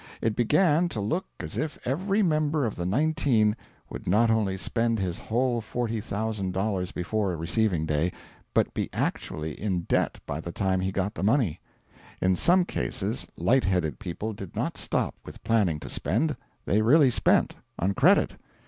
It began to look as if every member of the nineteen would not only spend his whole forty thousand dollars before receiving day, but be actually in debt by the time he got the money. In some cases light headed people did not stop with planning to spend, they really spent on credit.